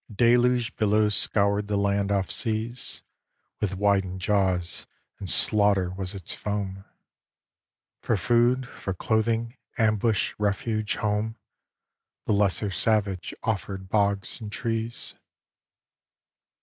XI A deluge billow scoured the land off seas, With widened jaws, and slaughter was its foam. For food, for clothing, ambush, refuge, home, The lesser savage offered bogs and trees.